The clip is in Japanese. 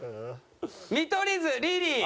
見取り図リリー。